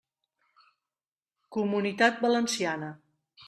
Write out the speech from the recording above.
Comunitat Valenciana.